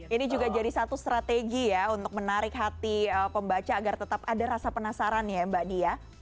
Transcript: ini juga jadi satu strategi ya untuk menarik hati pembaca agar tetap ada rasa penasaran ya mbak di ya